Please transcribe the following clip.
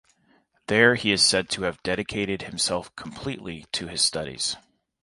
There he is said to have dedicated himself completely to his studies.